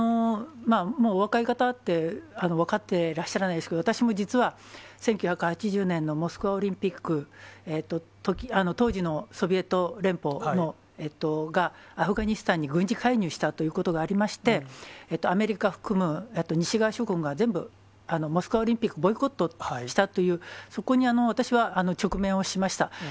もうお若い方って、分かってらっしゃらないですけれども、私も実は、１９８０年のモスクワオリンピック、当時のソビエト連邦がアフガニスタンに軍事介入したということがありまして、アメリカを含む西側諸国が全部、モスクワオリンピック、ボイコットしたという、そこに私は直面をしました。